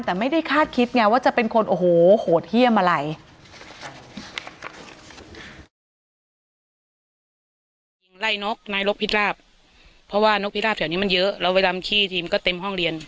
แต่ไม่ได้คาดคิดไงว่าจะเป็นคนโอ้โหโหดเยี่ยมอะไร